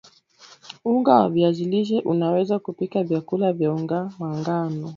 unga wa viazi lishe unaweza kupika vyakula vya unga wa ngano